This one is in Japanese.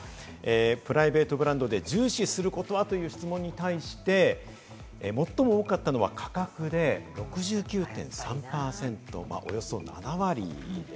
プライベートブランドで重視することは？という質問に対して、最も多かったのは価格です。６９．３％、およそ７割です。